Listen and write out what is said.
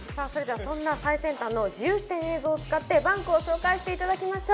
そんな最先端の自由視点映像を使ってバンクを紹介していただきましょう。